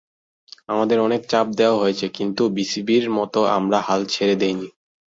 আমাদেরও অনেক চাপ দেওয়া হয়েছে কিন্তু বিসিবির মতো আমরা হাল ছেড়ে দিইনি।